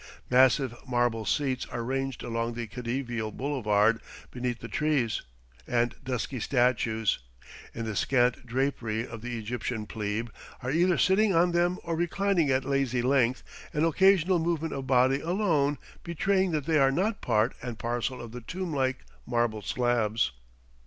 Massive marble seats are ranged along the Khediveal Boulevard beneath the trees, and dusky statues, in the scant drapery of the Egyptian plebe, are either sitting on them or reclining at lazy length, an occasional movement of body alone betraying that they are not part and parcel of the tomb like marble slabs.